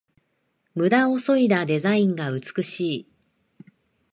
ムダをそいだデザインが美しい